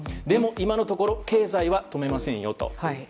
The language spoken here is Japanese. でも、今のところ経済は止めませんよと。